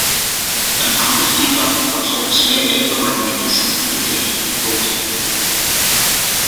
Een ander thema dat volgens mij erg belangrijk is, betreft de begroting.